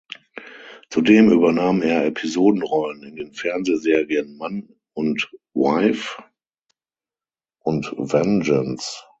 Zudem übernahm er Episodenrollen in den Fernsehserien "Mann and Wife" und "Vengeance".